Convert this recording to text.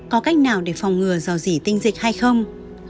có cách nào để phòng ngừa do dì tinh dịch hay không